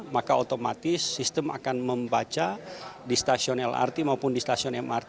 maka otomatis sistem akan membaca di stasiun lrt maupun di stasiun mrt